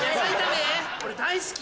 俺大好き。